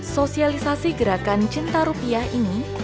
sosialisasi gerakan cinta rupiah ini